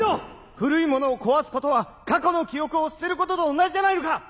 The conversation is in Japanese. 古いものを壊すことは過去の記憶を捨てることと同じじゃないのか！